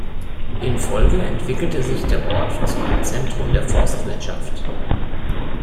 In Folge entwickelte sich der Ort zu einem Zentrum der Forstwirtschaft.